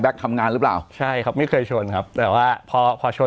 ทำงานหรือเปล่าใช่ครับไม่เคยชนครับแต่ว่าพอพอชน